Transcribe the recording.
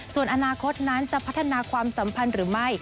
ส่วนอนาคตนั้นจะพัฒนาความสัมพันธ์หรือไม่